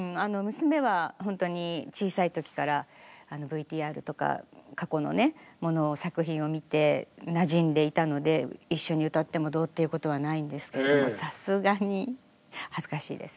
娘はほんとに小さい時からＶＴＲとか過去のものを作品を見てなじんでいたので一緒に歌ってもどうっていうことはないんですけどもさすがに恥ずかしいです。